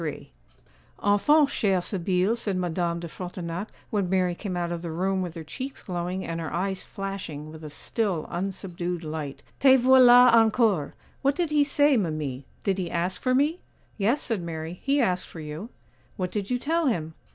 'Enfin, chère Sibylle,' said Madame de Frontignac when Mary came out of the room with her cheeks glowing and her eyes flashing with a still unsubdued light. 'Te voilà encore! What did he say, mimi? did he ask for me?' 'Yes,' said Mary, 'he asked for you.' 'What did you tell him?